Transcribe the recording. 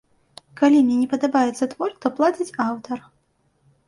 Калі мне не падабаецца твор, то плаціць аўтар.